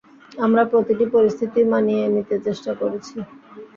আমরা প্রতিটি পরিস্থিতি মানিয়ে নিতে চেষ্টা করেছি।